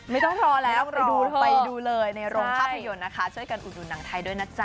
ไม่ต้องรอแล้วไปดูเลยในโรงภาพยนตร์นะคะช่วยกันอุดหนุนหนังไทยด้วยนะจ๊